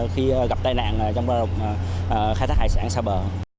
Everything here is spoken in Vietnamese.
khi gặp tai nạn trong bờ khai thác hải sản xa bờ